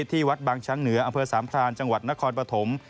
ที่วัดบางชั้นเหนืออำเภอสามพรานจังหวัดนครปฐม